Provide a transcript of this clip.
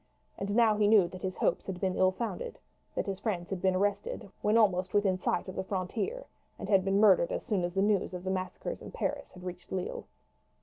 And now he knew that his hopes had been ill founded that his friends had been arrested when almost within sight of the frontier, and had been murdered as soon as the news of the massacres in Paris had reached Lille.